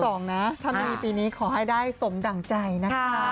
ก็อยากรีบมีภัยในปีนี้เหมือนกัน